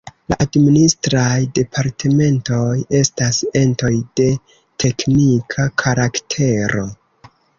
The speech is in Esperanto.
La Administraj Departementoj estas entoj de teknika karaktero.